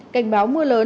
cảnh báo mưa lớn